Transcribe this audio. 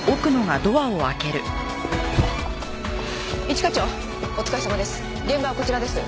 一課長お疲れさまです。